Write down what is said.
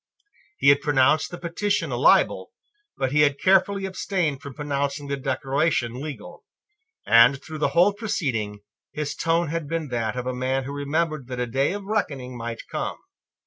He had pronounced the petition a libel: but he had carefully abstained from pronouncing the Declaration legal; and, through the whole proceeding, his tone had been that of a man who remembered that a day of reckoning might come.